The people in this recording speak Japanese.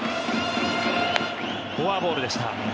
フォアボールでした。